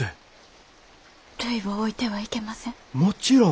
るいを置いては行けません。